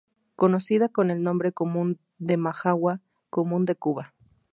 Conocida con el nombre común de majagua común de Cuba.